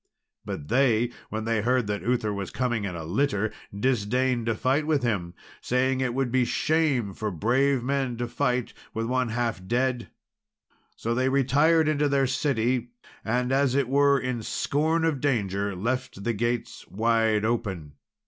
But they, when they heard that Uther was coming in a litter, disdained to fight with him, saying it would be shame for brave men to fight with one half dead. So they retired into their city; and, as it were in scorn of danger, left the gates wide open.